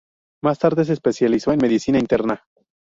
Más tarde se especializó en medicina interna.